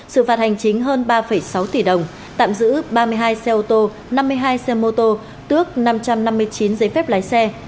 sự phạt hành chính hơn ba sáu tỷ đồng tạm giữ ba mươi hai xe ô tô năm mươi hai xe mô tô tước năm trăm năm mươi chín giấy phép lái xe